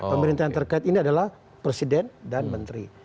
pemerintah yang terkait ini adalah presiden dan menteri